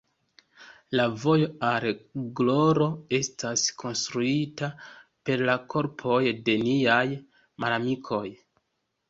La vojo al gloro estas konstruita per la korpoj de niaj malamikoj.